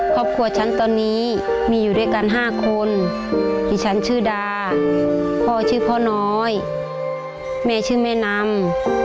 ครอบครัวฉันตอนนี้มีอยู่ด้วยกัน๕คนดิฉันชื่อดาพ่อชื่อพ่อน้อยแม่ชื่อแม่นำ